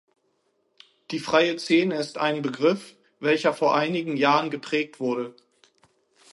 Die Freie Szene ist ein Begriff, welcher vor einigen Jahren geprägt wurde.